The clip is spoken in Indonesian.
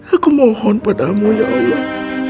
aku mohon padamu ya allah